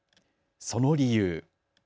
その理由。